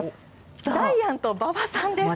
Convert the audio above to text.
ジャイアント馬場さんです。